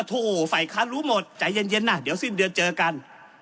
อ่ะโทษไฟคารุหมดใจเย็นน่ะเดี๋ยวสิ่งเดือนเจอกัน